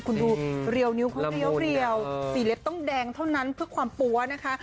คุณดูเรียวนิ้วเขาเรียวสีเล็บต้องแดงเท่านั้นเพื่อความปั๊วนะคะ